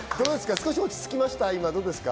少し落ち着きましたか？